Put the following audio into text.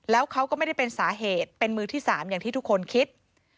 แล้วเขาก็ไม่ได้เป็นสาเหตุเป็นมือที่๓อย่างที่ทุกคนคิด